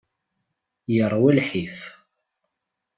Yeṛwa lḥif.